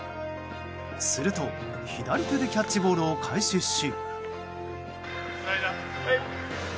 すると、左手でキャッチボールを開始し。